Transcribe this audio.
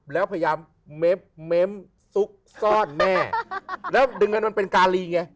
แล้วพยายามเม้มเม้มซุกซ่อนแน่แล้วดึงกันมันเป็นการีไง